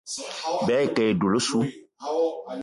Bìayî ke e dula ossu.